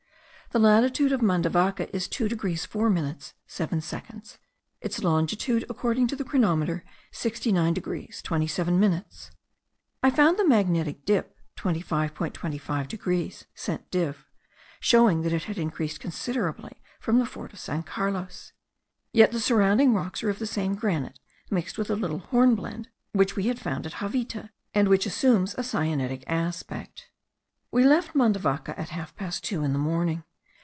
The latitude of Mandavaca is 2 degrees 4 minutes 7 seconds; its longitude, according to the chronometer, 69 degrees 27 minutes. I found the magnetic dip 25.25 degrees (cent div), showing that it had increased considerably from the fort of San Carlos. Yet the surrounding rocks are of the same granite, mixed with a little hornblende, which we had found at Javita, and which assumes a syenitic aspect. We left Mandavaca at half past two in the morning.